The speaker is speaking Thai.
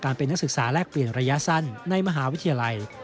เป็นนักศึกษาแลกเปลี่ยนระยะสั้นในมหาวิทยาลัย